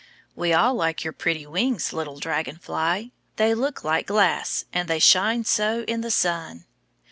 We all like your pretty wings, little dragon fly; they look like glass and they shine so in the sun.